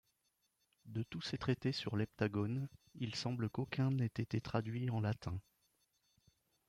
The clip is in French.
De tous ces traités sur l'heptagone, il semble qu'aucun n'ait été traduit en latin.